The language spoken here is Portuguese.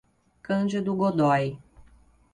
Cândido Godói